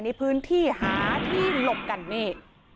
ในพื้นที่หาที่หลบกันนี่